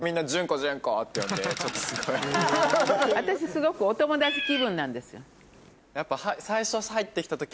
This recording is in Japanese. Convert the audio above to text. すごくお友達気分なんです。